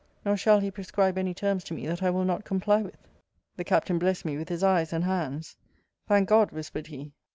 Nor shall he prescribe any terms to me that I will not comply with. The Captain blessed me with his eyes and hands Thank God! whispered he.